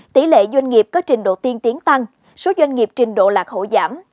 tỷ lệ doanh nghiệp có trình độ tiên tiến tăng số doanh nghiệp trình độ lạc hậu giảm